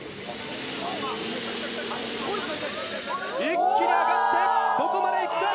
一気に上がってどこまで行くか？